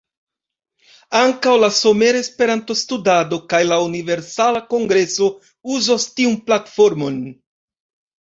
Ankaŭ la Somera Esperanto-Studado kaj la Universala Kongreso uzos tiun platformon.